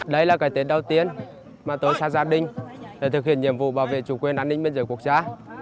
đây là cái tết đầu tiên mà tôi ra gia đình để thực hiện nhiệm vụ bảo vệ chủ quyền an ninh biên giới quốc gia